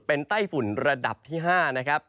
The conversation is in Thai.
เป็นไต้ฝุ่นระดับที่๕นะครับ